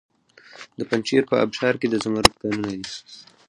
د پنجشیر په ابشار کې د زمرد کانونه دي.